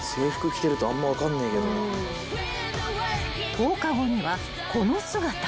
［放課後にはこの姿に］